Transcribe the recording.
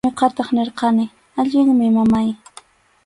Ñuqataq nirqani: allinmi, mamáy.